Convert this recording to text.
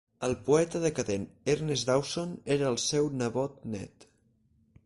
El poeta decadent Ernest Dowson era el seu nebot net.